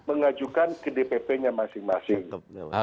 mengajukan ke dppnya masing masing